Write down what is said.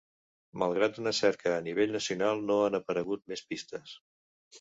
Malgrat una cerca a nivell nacional no han aparegut més pistes.